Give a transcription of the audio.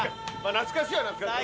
懐かしいは懐かしい。